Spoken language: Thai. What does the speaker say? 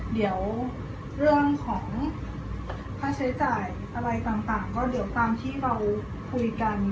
เดี๋ยวเรื่องของค่าใช้จ่ายอะไรต่างก็เดี๋ยวตามที่เราคุยกัน